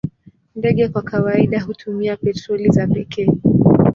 Ndege kwa kawaida hutumia petroli za pekee.